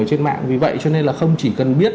trên mạng vì vậy cho nên là không chỉ cần biết